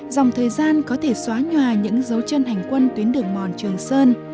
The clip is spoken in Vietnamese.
dòng thời gian có thể xóa nhòa những dấu chân hành quân tuyến đường mòn trường sơn